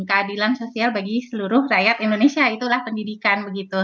keadilan sosial bagi seluruh rakyat indonesia itulah pendidikan begitu